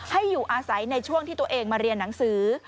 ให้อยู่อาศัยในช่วงที่ตัวเองมาเรียนหนังสือ